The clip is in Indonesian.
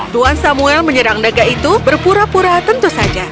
tuan samuel menyerang naga itu berpura pura tentu saja